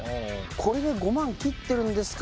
これが５万切ってるんですか？